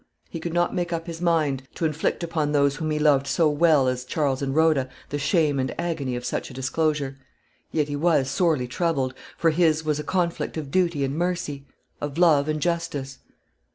He could not make up his mind to inflict upon those whom he loved so well as Charles and Rhoda the shame and agony of such a disclosure; yet he was sorely troubled, for his was a conflict of duty and mercy, of love and justice.